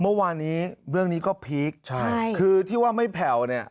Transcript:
เมื่อวานนี้เรื่องนี้ก็พีคใช่คือที่ว่าไม่แผ่วเนี่ย